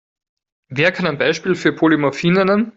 Wer kann ein Beispiel für Polymorphie nennen?